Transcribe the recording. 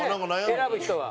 選ぶ人は。